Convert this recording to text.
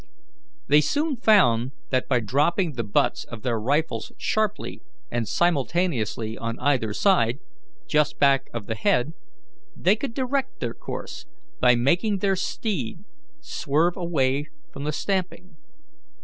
They soon found that by dropping the butts of their rifles sharply and simultaneously on either side, just back of the head, they could direct their course, by making their steed swerve away from the stamping.